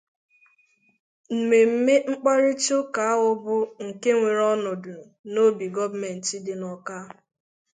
Mmemme mkparịtaụka ahụ bụ nke weere ọnọdụ n'obi gọọmenti dị n'Awka